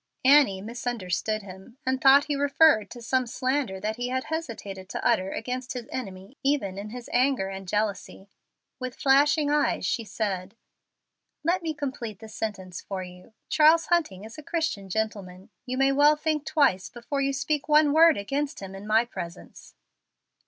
Annie misunderstood him, and thought he referred to some slander that he had hesitated to utter against his enemy even in his anger and jealousy. With flashing eyes she said, "Let me complete the sentence for you. Charles Hunting is a Christian gentleman. You may well think twice before you speak one word against him in my presence."